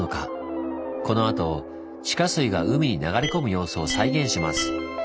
このあと地下水が海に流れ込む様子を再現します。